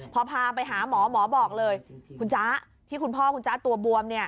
พอพาไปหาหมอหมอบอกเลยคุณจ๊ะที่คุณพ่อคุณจ๊ะตัวบวม